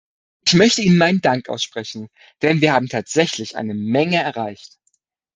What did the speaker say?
Ich möchte ihnen meinen Dank aussprechen, denn wir haben tatsächlich eine Menge erreicht.